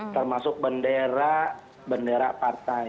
termasuk bendera bendera partai